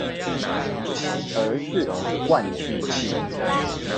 而是灌進去